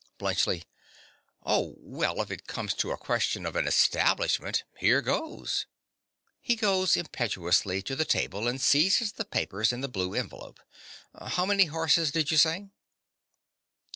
BLUNTSCHLI. Oh, well, if it comes to a question of an establishment, here goes! (He goes impetuously to the table and seizes the papers in the blue envelope.) How many horses did you say?